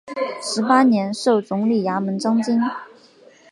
十八年授总理衙门章京。